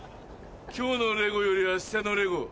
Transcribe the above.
今日のレゴよりあしたのレゴ。